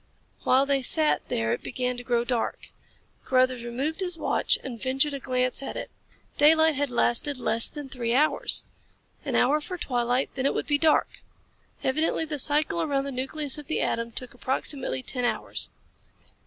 While they sat there it began to grow dark. Carruthers removed his watch and ventured a glance at it. Daylight had lasted less then three hours. An hour for twilight, then it would be dark. Evidently the cycle around the nucleus of the atom took approximately ten hours.